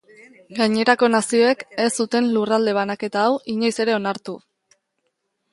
Gainerako nazioek ez zuten lurralde banaketa hau inoiz ere onartu.